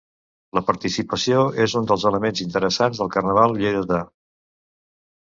La participació és un dels elements interessants del carnaval lleidatà.